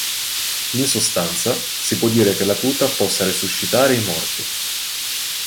In sostanza, si può dire che la tuta possa resuscitare i morti.